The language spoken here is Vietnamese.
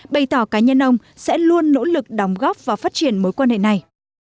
bày tỏ cá nhân ông sẽ luôn nỗ lực đóng góp và phát triển mối quan hệ này